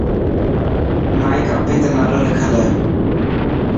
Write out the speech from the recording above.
مائي ڪاپي تي نالو لکل هي.